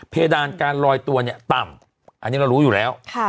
เพดานการลอยตัวเนี่ยต่ำอันนี้เรารู้อยู่แล้ว